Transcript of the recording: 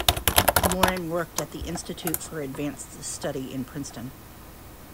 Morin worked at the Institute for Advanced Study in Princeton.